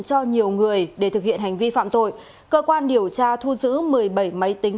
cho nhiều người để thực hiện hành vi phạm tội cơ quan điều tra thu giữ một mươi bảy máy tính